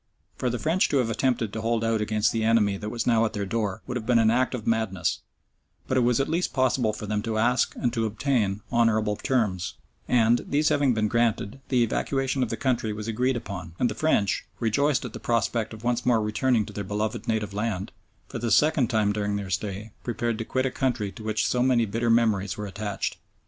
For the French to have attempted to hold out against the enemy that was now at their door would have been an act of madness, but it was at least possible for them to ask and to obtain honourable terms; and these having been granted, the evacuation of the country was agreed upon, and the French, rejoiced at the prospect of once more returning to their beloved native land, for the second time during their stay prepared to quit a country to which so many bitter memories were attached.